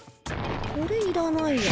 これいらないや。